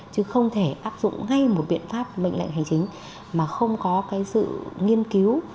chứ không thể áp dụng ngay một biện pháp mệnh lệnh hành chính mà không có sự nghiên cứu